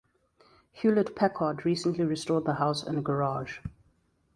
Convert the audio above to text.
Hewlett Packard recently restored the house and garage.